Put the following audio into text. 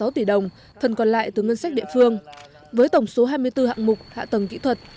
hai trăm linh sáu tỷ đồng phần còn lại từ ngân sách địa phương với tổng số hai mươi bốn hạng mục hạ tầng kỹ thuật